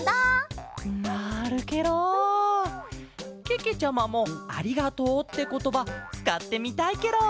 けけちゃまも「ありがとう」ってことばつかってみたいケロ。